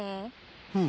うん。